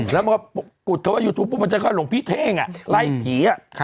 แล้วก็กุดเขาว่ามันจะก็หลวงพี่เท้งไล่ผี